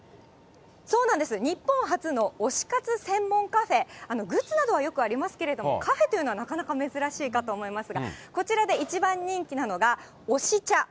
日本初の推し活専門カフェ、グッズなどはよくありますけれども、カフェというのはなかなか珍しいかと思いますが、こちらで一番人気なのが、推し茶。